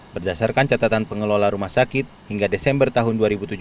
berdasarkan catatan pengelola rumah sakit hingga desember tahun dua ribu tujuh belas